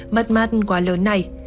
mất mát quá lớn này